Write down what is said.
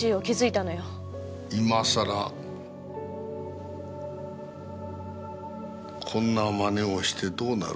今さらこんな真似をしてどうなる？